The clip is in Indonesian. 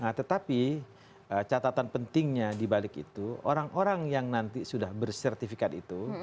nah tetapi catatan pentingnya dibalik itu orang orang yang nanti sudah bersertifikat itu